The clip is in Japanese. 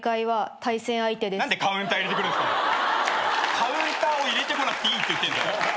カウンターを入れてこなくていいって言ってんだよ。